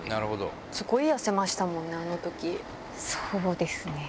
すごい痩せましたもんね、そうですね。